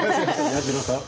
彌十郎さん。